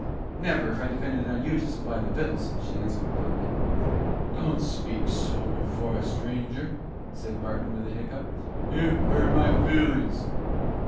"Never, if I depended on you to supply the vittles!" she answered, bluntly. "Don't speak so before a stranger," said Barton, with a hiccough. "You hurt my feelin's."